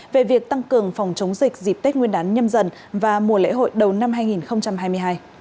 về việc tăng cường phòng chống dịch dịp tết nguyên đán nhâm dần và mùa lễ hội đầu năm hai nghìn hai mươi hai